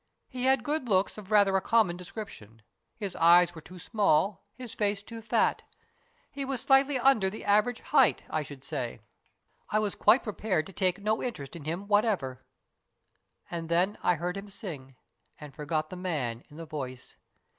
He had good looks of rather a common description. His eyes were too small, his face too fat. He was slightly under the average height, I should G 98 STORIES IN GREY say. I was quite prepared to take no interest him whatever. "And then I heard him sing, and forgot the man in the voice.